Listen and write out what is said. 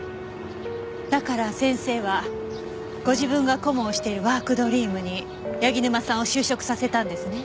だから先生はご自分が顧問をしているワークドリームに柳沼さんを就職させたんですね？